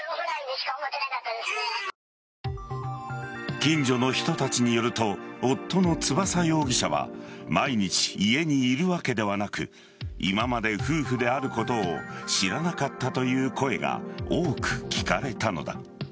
近所の人たちによると夫の翼容疑者は毎日、家にいるわけではなく今まで夫婦であることを知らなかったという声が多く聞かれたのだ。